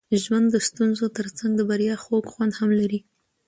ژوند د ستونزو ترڅنګ د بریا خوږ خوند هم لري.